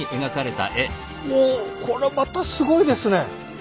うおこれまたすごいですね。